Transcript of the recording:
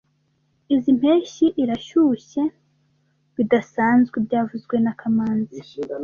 Izoi mpeshyi irashyushye bidasanzwe byavuzwe na kamanzi